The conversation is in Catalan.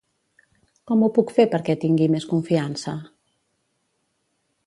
Com ho puc fer perquè tingui més confiança?